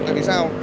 tại vì sao